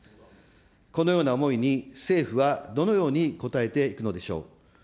このような思いに政府はどのように応えていくのでしょう。